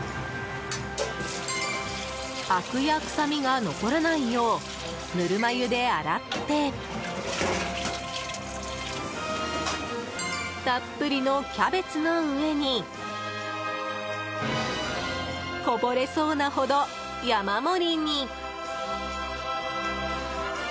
あくや臭みが残らないようぬるま湯で洗ってたっぷりのキャベツの上にこぼれそうなほど山盛りに！